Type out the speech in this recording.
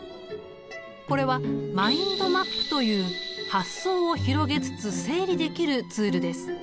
これはマインドマップという発想を広げつつ整理できるツールです。